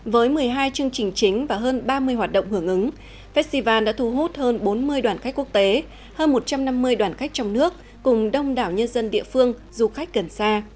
với một mươi hai chương trình chính và hơn ba mươi hoạt động hưởng ứng festival đã thu hút hơn bốn mươi đoàn khách quốc tế hơn một trăm năm mươi đoàn khách trong nước cùng đông đảo nhân dân địa phương du khách gần xa